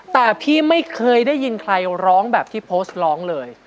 แต่พี่ไม่เคยได้ยินใครร้องแบบที่โพสต์ร้องเลย